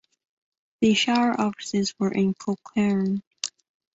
The shire offices were in Culcairn.